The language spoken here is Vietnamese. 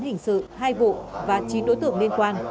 hình sự hai vụ và chín đối tượng liên quan